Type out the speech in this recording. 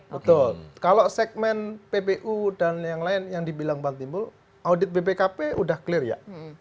betul kalau segmen ppu dan yang lain yang dibilang bang timbul audit bpkp sudah clear ya